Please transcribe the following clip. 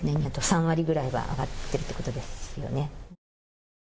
あと３割ぐらいは上がってくるということです。